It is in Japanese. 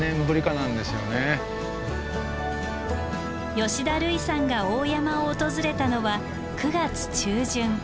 吉田類さんが大山を訪れたのは９月中旬。